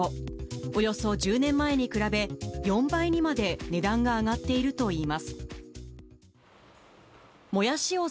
およそ１０年前に比べ、４倍にまで値段が上がっているといいます。